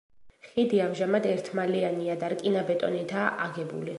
ხიდი ამჟამად ერთმალიანია და რკინა-ბეტონითაა აგებული.